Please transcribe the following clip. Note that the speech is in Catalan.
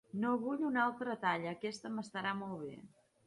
No vull una altra talla, aquest m'estarà molt bé.